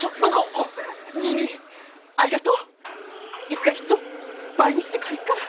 いつかきっと倍にして返すから」。